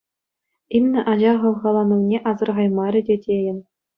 Инна ача хавхаланӑвне асӑрхаймарӗ те тейӗн.